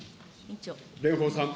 蓮舫さん。